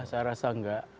saya rasa enggak